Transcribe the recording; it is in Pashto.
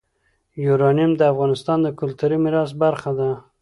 یورانیم د افغانستان د کلتوري میراث برخه ده.